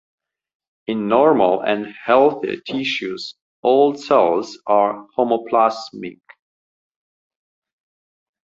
In normal and healthy tissues, all cells are homoplasmic.